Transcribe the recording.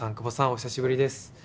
お久しぶりです。